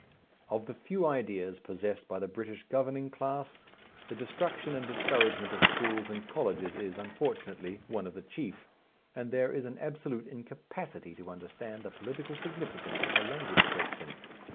Of the few ideas possessed by the British governing class, the destruction and discouragement of schools and colleges is, unfortunately, one of the chief, and there is an absolute incapacity to understand the political significance of the language question.